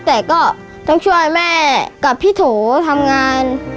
แต่ก็ต้องช่วยแม่กับพี่โถทำงาน